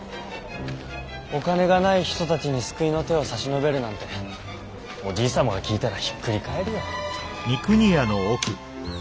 お金がない人たちに救いの手を差し伸べるなんておじい様が聞いたらひっくり返るよ。